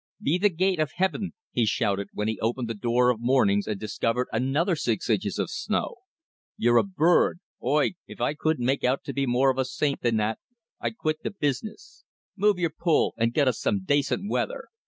"Be the gate of Hivin!" he shouted, when he opened the door of mornings and discovered another six inches of snow, "Ye're a burrd! If Oi couldn't make out to be more of a saint than that, Oi'd quit the biznis! Move yor pull, an' get us some dacint weather!